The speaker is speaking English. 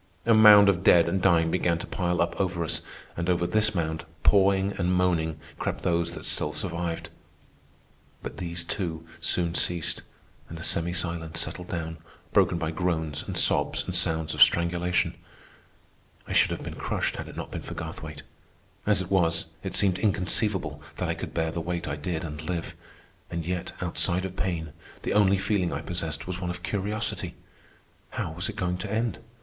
A mound of dead and dying began to pile up over us, and over this mound, pawing and moaning, crept those that still survived. But these, too, soon ceased, and a semi silence settled down, broken by groans and sobs and sounds of strangulation. I should have been crushed had it not been for Garthwaite. As it was, it seemed inconceivable that I could bear the weight I did and live. And yet, outside of pain, the only feeling I possessed was one of curiosity. How was it going to end?